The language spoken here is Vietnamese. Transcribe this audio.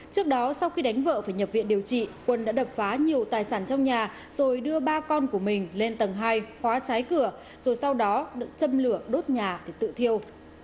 trước đó sau khi đánh vợ phải nhập viện điều trị quân đã đập phá nhiều tài sản trong nhà rồi đưa ba con của mình lên tầng hai khóa trái cửa rồi sau đó châm lửa đốt nhà để tự thiêu